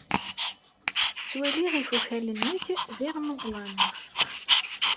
Ttwaliɣ ifukal-nnek d irmeẓlanen.